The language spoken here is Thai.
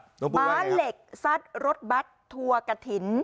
น้องปุ้ยว่าไงครับบ้านเหล็กซัดรถบัตรทัวกะถิ่น